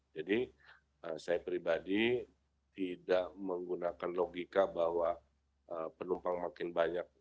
saya pribadi tidak menggunakan logika bahwa penumpang makin banyak